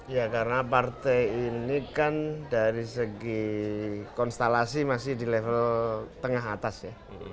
ya karena partai ini kan dari segi konstelasi masih di level tengah atas ya